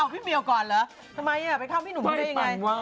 เอ้าพี่เมียวก่อนเหรอทำไมอ่ะไปเข้าพี่หนุ่มก็ได้ยังไง